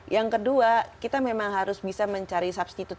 yang kedua kita memang harus bisa mencari substitute